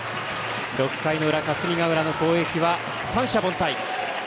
６回の裏、霞ヶ浦の攻撃は三者凡退。